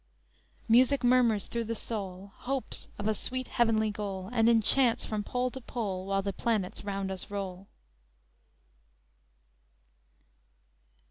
_Music murmurs through the soul Hopes of a sweat heavenly goal, And enchants from pole to pole While the planets round us roll!